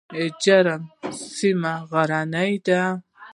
جرم سیمه غرنۍ ده؟